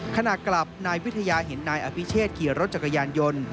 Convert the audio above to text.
ขณะกลับนายวิทยาเห็นนายอภิเชษขี่รถจักรยานยนต์